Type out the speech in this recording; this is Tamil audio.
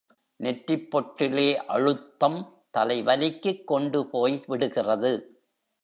நெற்றிப் பொட்டிலே அழுத்தம் தலைவலிக்குக் கொண்டு போய்விடுகிறது.